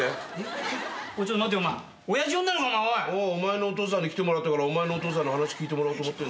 お前のお父さんに来てもらったからお前のお父さんに話聞いてもらおうと。